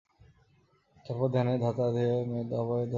তারপর ধ্যানের ধ্যাতা ধ্যেয় অভেদ হয়ে যায়।